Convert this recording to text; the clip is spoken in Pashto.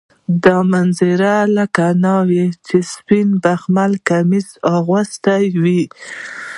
دا منظره لکه ناوې چې سپین بخمل کمیس اغوستی وي.